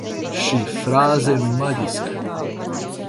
Šī frāze ir maģiska!